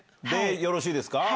よろしいですか？